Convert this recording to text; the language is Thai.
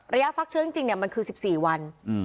ระยะฟักเชื้อจริงจริงเนี่ยมันคือสิบสี่วันอืม